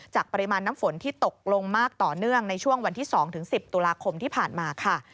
ปริมาณน้ำฝนที่ตกลงมากต่อเนื่องในช่วงวันที่๒๑๐ตุลาคมที่ผ่านมาค่ะ